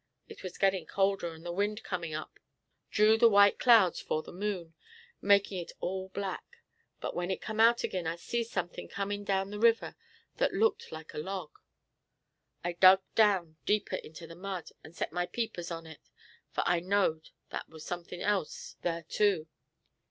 "It was gettin' colder, and the wind comin' up, drew the white clouds 'fore the moon, makin' it all black. But when it come out agin I seed sunkthin' comin' down the river that looked like a log. I dug down deeper into the mud, and set my peepers on it, fur I knowed thar war sunkthin' else thar, too.